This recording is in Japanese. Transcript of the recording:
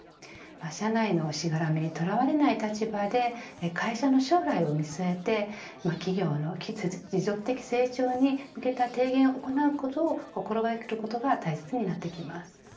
社内のしがらみにとらわれない立場で会社の将来を見据えて企業の持続的成長に向けた提言を行うことを心掛けることが大切になってきます。